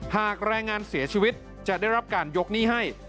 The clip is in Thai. หากแรงงานเสียชีวิตจะได้รับการยกหนี้ให้